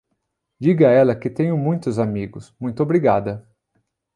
Diga a ela que tenho muitos amigos, muito obrigada.